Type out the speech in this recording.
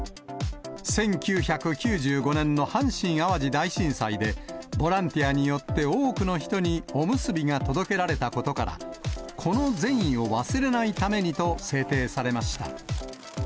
１９９５年の阪神・淡路大震災で、ボランティアによって多くの人におむすびが届けられたことから、この善意を忘れないためにと制定されました。